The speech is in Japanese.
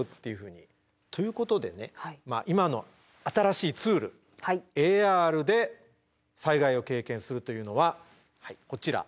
今の新しいツールＡＲで災害を経験するというのはこちら。